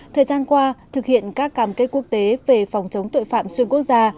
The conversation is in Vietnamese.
thời gian qua thực hiện các cam kết quốc tế về phòng chống tội phạm xuyên quốc gia